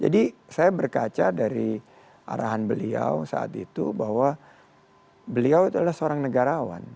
jadi saya berkaca dari arahan beliau saat itu bahwa beliau adalah seorang negarawan